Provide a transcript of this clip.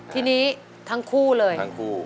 ทีนี้ทั้งคู่เลยทั้งคู่